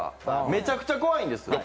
めちゃくちゃ怖いんです。